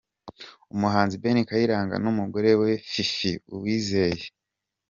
Umuhanzi Ben Kayiranga n’umugore we Fifi Uwizeye.